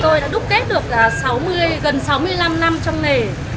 tôi đã đúc kết được gần sáu mươi năm năm trong này